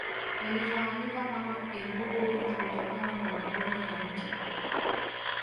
Yalifahamika kama embugu zilitokana na magome ya mti